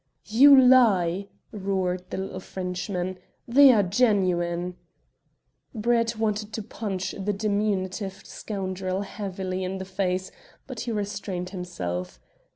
"You lie!" roared the little Frenchman. "They are genuine." Brett wanted to punch the diminutive scoundrel heavily in the face, but he restrained himself.